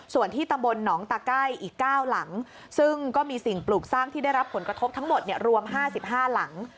ส่วนที่ตำบนน้องตาใกล้อีกเก้าหลังซึ่งก็มีสิ่งปลูกสร้างที่ได้รับผลกระทบทั้งหมดเนี่ยรวมห้าสิบห้าหลัง